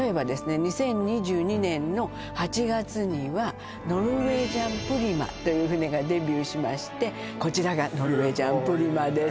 ２０２２年の８月にはノルウェージャンプリマという船がデビューしましてこちらがノルウェージャンプリマです